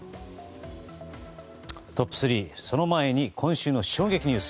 トップ３、その前に今週の衝撃ニュース